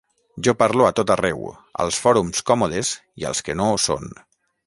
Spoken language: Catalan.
Jo parlo a tot arreu, als fòrums còmodes i als que no ho són.